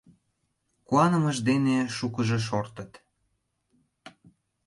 Куанымышт дене шукыжо шортыт...